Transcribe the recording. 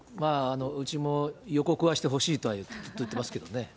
うちも予告はしてほしいとは言ってますけどね。